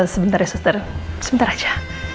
sebentar sebentar sebentar aja